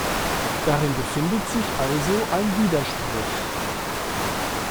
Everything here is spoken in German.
Darin befindet sich also ein Widerspruch.